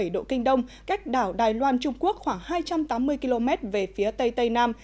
một trăm một mươi bảy bảy độ kinh đông cách đảo đài loan trung quốc khoảng hai trăm tám mươi km về phía tây tây nam